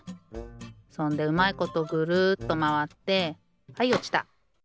そんでうまいことぐるっとまわってはいおちた。